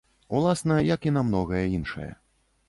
Уласна, як і на многае іншае.